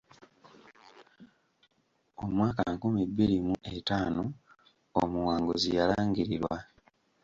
Omwaka nkumi bbiri mu etaano omuwanguzi yalangirirwa.